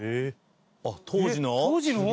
あっ当時の？